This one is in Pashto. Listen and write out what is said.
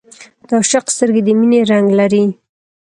د عاشق سترګې د مینې رنګ لري